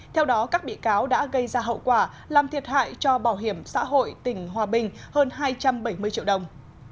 theo đó các bị cáo đã gây ra hậu quả làm thiệt hại cho bảo hiểm xã hội tỉnh hòa bình hơn hai trăm bảy mươi triệu đồng